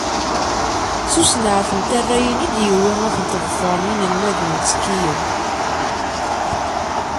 S usenɛet n tarrayin i d-yewwi ad tent-ḍefren yinelmaden imttekkiyen.